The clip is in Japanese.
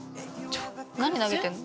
何投げてるの？